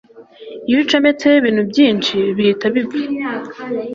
iyo ucometseho ibintu byinshi bihita bipfa